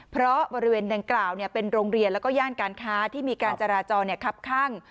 เพราะบริเวณดังกล่าวเป็นโรงเรียนแล้วก็ย่านการค้าที่มีการจราจรคับข้าง